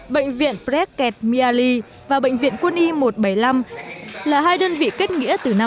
bệnh viện bredkett mealea và bệnh viện quân y một trăm bảy mươi năm là hai đơn vị kết nghĩa từ năm hai nghìn bảy